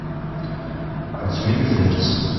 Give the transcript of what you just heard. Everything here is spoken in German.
Also mir gefällt es.